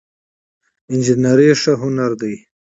انجينري ښه هنر دی